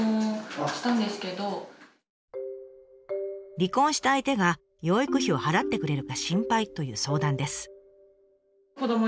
離婚した相手が養育費を払ってくれるか心配という相談です。